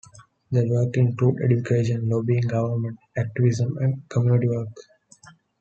This work includes education, lobbying government, activism and community work.